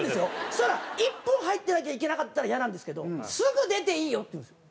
そしたら１分入ってなきゃいけなかったらイヤなんですけどすぐ出ていいよって言うんですよ。